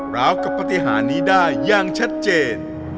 ราวกับปฏิหารนี้ได้อย่างชัดเจน